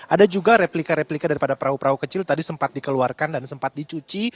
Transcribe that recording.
ada juga replika replika daripada perahu perahu kecil tadi sempat dikeluarkan dan sempat dicuci